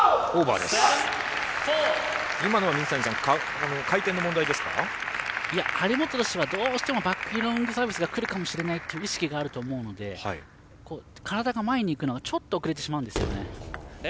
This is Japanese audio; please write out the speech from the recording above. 今のは水谷さん回転の問題ですか張本としてはバックロングサービスがくるかもしれないという意識があると思うので体が前にいくのがちょっと遅れてしまうんですよ。